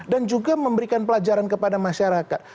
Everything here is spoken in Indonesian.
dan juga memberikan pelajaran kepada masyarakat